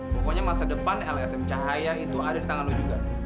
pokoknya masa depan lsm cahaya itu ada di tangan lo juga